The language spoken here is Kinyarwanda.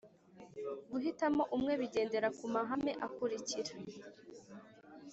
guhitamo umwe bigendera ku mahame akurikira: